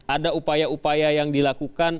ada upaya upaya yang dilakukan